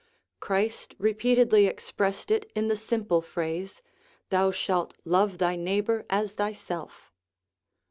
Christ repeatedly expressed it in the simple phrase: "Thou shalt love thy neighbor as thyself."